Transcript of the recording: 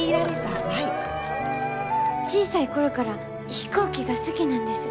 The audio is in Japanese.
小さい頃から飛行機が好きなんです。